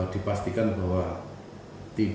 dipastikan bahwa tidak